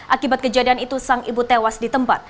akibat kejadian itu sang ibu tewas di tempat